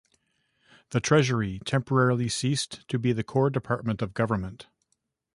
The Treasury temporarily ceased to be the core department of government.